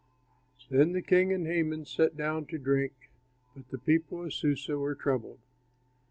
Then the king and Haman sat down to drink, but the people of Susa were troubled.